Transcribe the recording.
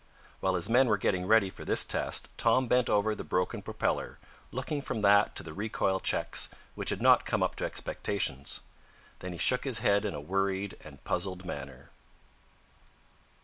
While his men were getting ready for this test Tom bent over the broken propeller, looking from that to the recoil checks, which had not come up to expectations. Then he shook his head in a worried and puzzled manner.